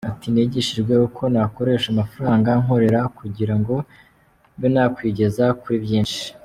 Ati “Nigishijwe uko nakoresha amafaranga nkorera kugira ngo mbe nakwigeza kuri byinshi.